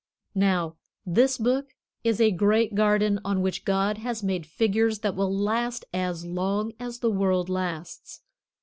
Now, this book is a great garden on which God has made figures that will last as long as the world lasts.